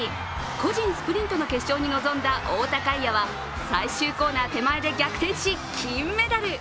個人スプリントの決勝に臨んだ太田海也は最終コーナー手前で逆転し金メダル。